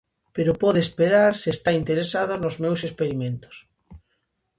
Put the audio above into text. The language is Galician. Pero pode esperar se está interesada nos meus experimentos.